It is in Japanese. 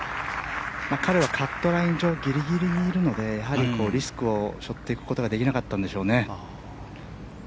彼はカットライン上ギリギリにいるのでやはりリスクを背負っていくことができなかったんでしょうね。